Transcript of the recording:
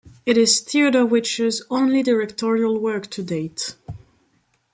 It is Theodore Witcher's only directorial work to date.